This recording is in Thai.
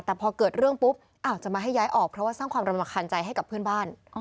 แต่พอเกิดเรื่องปุ๊บจะมาให้ย้ายออกเพราะว่าสร้างความรำคาญใจให้กับเพื่อนบ้าน